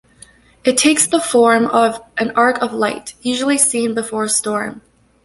It takes the form of an arc of light, usually seen before a storm.